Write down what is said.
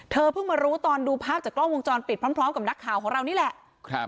เพิ่งมารู้ตอนดูภาพจากกล้องวงจรปิดพร้อมกับนักข่าวของเรานี่แหละ